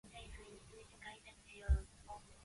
It is predominantly used for Unix-like systems.